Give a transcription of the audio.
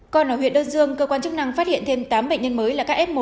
còn ở huyện đơn dương cơ quan chức năng phát hiện thêm tám bệnh nhân mới là các f một